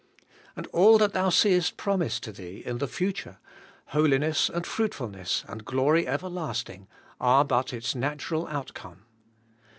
And all that thou seest prom ised to thee in the future — holiness and fruitfulness and glory everlasting— are but its natural outcome.